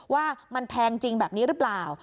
ว่ามันแพงจริงแบบนี้หรือเปล่า